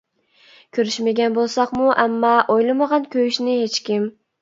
كۆرۈشمىگەن بولساقمۇ ئەمما، ئويلىمىغان كۆيۈشنى ھېچكىم.